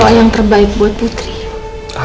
doa yang terbaik buat putri